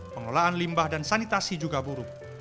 pengelolaan limbah dan sanitasi juga buruk